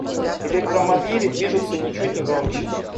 Электромобили движутся ничуть не громче.